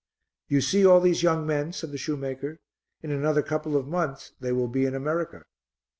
"You see all these young men?" said the shoemaker. "In another couple of months they will be in America."